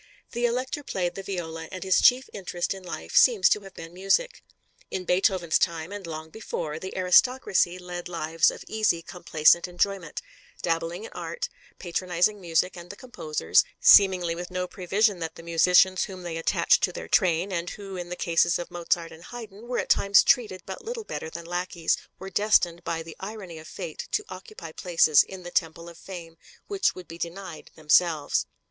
The Elector played the viola and his chief interest in life seems to have been music. In Beethoven's time and long before, the aristocracy led lives of easy, complacent enjoyment, dabbling in art, patronizing music and the composers, seemingly with no prevision that the musicians whom they attached to their train, and who in the cases of Mozart and Haydn were at times treated but little better than lackeys, were destined by the irony of fate to occupy places in the temple of fame, which would be denied themselves.